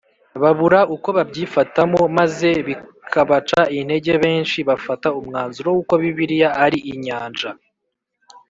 babura uko babyifatamo maze bikabaca intege Benshi bafata umwanzuro w uko Bibiliya ari inyanja